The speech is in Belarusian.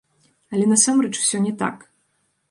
Але насамрэч усё не так.